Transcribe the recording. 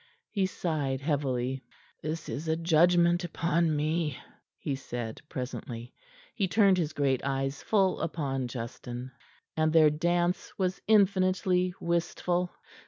He sighed heavily. "This is a judgment upon me," he said presently. He turned his great eyes full upon Justin, and their dance was infinitely wistful.